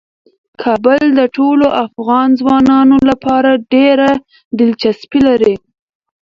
کابل د ټولو افغان ځوانانو لپاره ډیره دلچسپي لري.